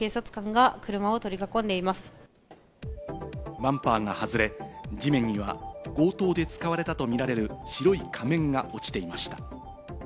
バンパーが外れ、地面には強盗で使われたとみられる白い仮面が落ちていました。